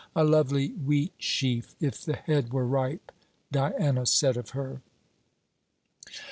'A lovely wheat sheaf, if the head were ripe,' Diana said of her.